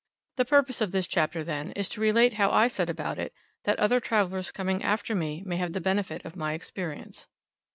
The purpose of this chapter, then, is to relate how I set about it, that other travellers coming after me may have the benefit of my experience.